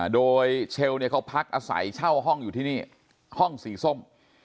โดยเชลล์เขาพักอาศัยเช่าห้องอยู่ที่นี่ห้องสีส้ม